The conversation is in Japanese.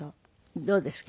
どうですか？